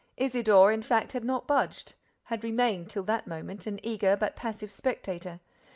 Isidore, in fact, had not budged, had remained, till that moment, an eager, but passive spectator.